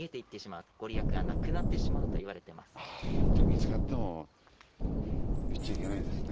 じゃあ見つかっても言っちゃいけないんですね。